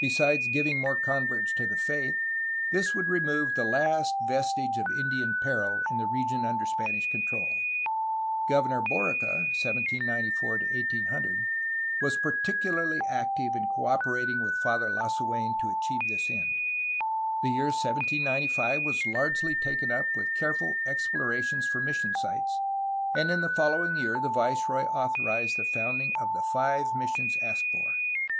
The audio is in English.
Besides giving more converts to the faith this would remove the last vestige of Indian peril in the region under Spanish control. Governor Borica (1794 1800) was particularly active in co 1 Founded in 1782.) 372 A HISTORY OF CALIFORNIA Operating with Father Lasuen to achieve this end. The year 1795 was largely taken up with careful explorations for mission sites, and in the following year the viceroy authorized the founding of the five missions asked for.